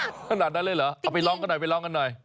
ขนาดนั้นเลยเหรอเอาไปลองกันหน่อย